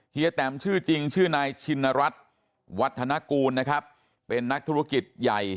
เฮีแตมชื่อจริงชื่อนายชินรัฐวัฒนกูลนะครับเป็นนักธุรกิจใหญ่